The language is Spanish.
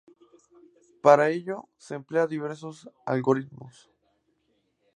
Para ello, se emplean diversos algoritmos.